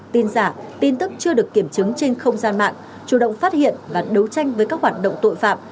tin giả tin tức chưa được kiểm chứng trên không gian mạng chủ động phát hiện và đấu tranh với các hoạt động tội phạm